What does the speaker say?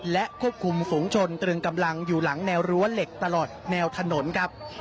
และควบคุมฝุงชนตรึงกำลังอยู่หลังแนวรั้วเหล็กตลอดแนวถนนครับ